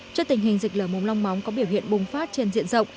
trước tình hình dịch lở mồm long móng có biểu hiện bùng phát trên diện rộng